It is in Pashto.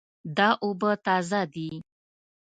دا اوبه تازه دي